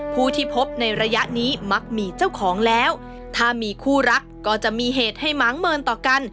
ผู้ที่พบในระยะนี้มักมีเจ้าของแล้วถ้ามีคู่รักก็จะมีเหตุให้หมางเมินต่อกัน